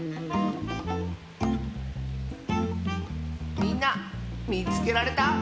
みんなみつけられた？